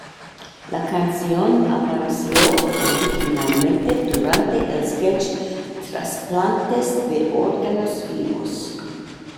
La canción apareció originalmente durante el sketch "Trasplantes de órganos vivos".